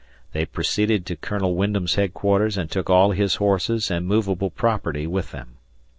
They proceeded to Colonel Wyndham's headquarters and took all his horses and movable property with them.